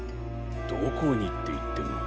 どこにっていっても。